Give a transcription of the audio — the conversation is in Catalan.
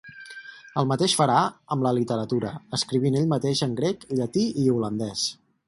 El mateix farà amb la literatura, escrivint ell mateix en grec, llatí i holandés.